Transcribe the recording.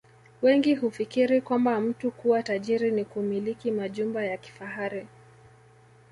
Wengi hufikiri kwamba mtu kuwa tajiri ni kumiliki majumba ya kifahari